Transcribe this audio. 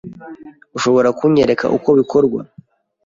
Ushobora kunyereka uko bikorwa?